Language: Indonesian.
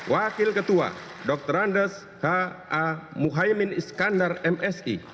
wakil ketua dr andes h a muhaymin iskandar m s i